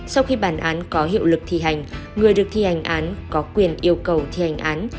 sau khi bản án có hiệu lực thi hành người được thi hành án có quyền yêu cầu thi hành án